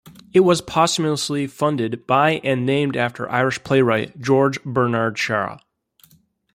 It was posthumously funded by and named after Irish playwright George Bernard Shaw.